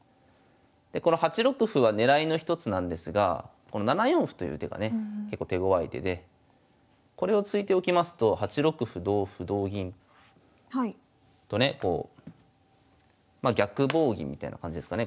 でこの８六歩は狙いの一つなんですがこの７四歩という手がね結構手ごわい手でこれを突いておきますと８六歩同歩同銀とねまあ逆棒銀みたいな感じですかね。